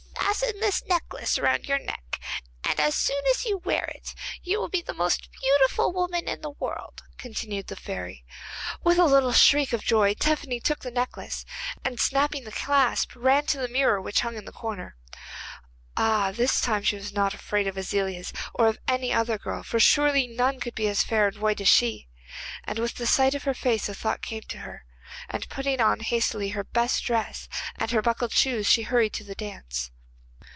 'Fasten this necklace round your neck, and as long as you wear it you will be the most beautiful woman in the world,' continued the fairy. With a little shriek of joy Tephany took the necklace, and snapping the clasp ran to the mirror which hung in the corner. Ah, this time she was not afraid of Aziliez or of any other girl, for surely none could be as fair and white as she. And with the sight of her face a thought came to her, and putting on hastily her best dress and her buckled shoes she hurried off to the dance.